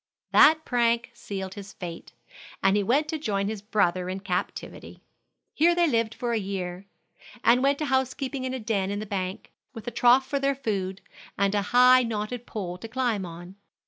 That prank sealed his fate, and he went to join his brother in captivity. Here they lived for a year, and went to housekeeping in a den in the bank, with a trough for their food, and a high, knotted pole to climb on.